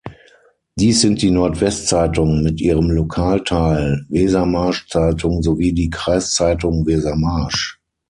Dies sind die Nordwest-Zeitung mit ihrem Lokalteil „Wesermarsch-Zeitung“ sowie die Kreiszeitung Wesermarsch.